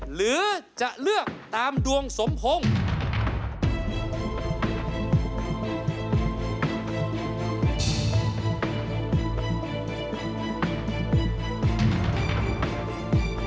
หรือจะเลือกตามดวงสมพงษ์